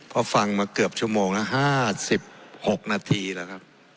เพราะฟังมาเกือบชั่วโมงละ๕๖นาทีแล้วครับ